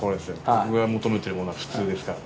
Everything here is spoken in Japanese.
僕が求めているものは普通ですから。